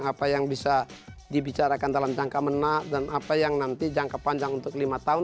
apa yang bisa dibicarakan dalam jangka mena dan apa yang nanti jangka panjang untuk lima tahun